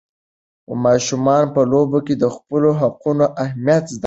ماشومان په لوبو کې د خپلو حقونو اهمیت زده کوي.